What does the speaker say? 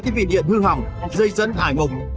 thiết bị điện hư hỏng dây dẫn hải mục